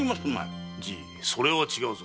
じいそれは違うぞ。